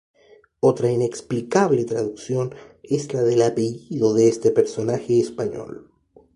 Otra inexplicable traducción es la del apellido de este personaje español.